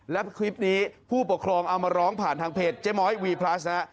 และคลิปนี้ผู้ปกครองเอามาร้องผ่านทางเพจเจ๊ม้อยวีพลัสนะฮะ